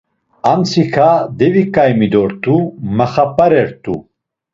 Amtsiǩa deviǩaimi dort̆u; maxap̌aret̆u.